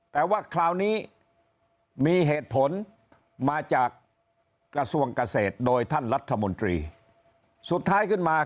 แต่ว่าคราวนี้มีเหตุผลมาจากกระทรวงเกษตรโดยท่านรัฐมนตรีสุดท้ายขึ้นมา